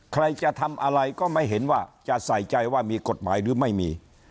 ใครจะทำอะไรก็ไม่เห็นว่าจะใส่ใจว่ามีกฎหมายหรือไม่มี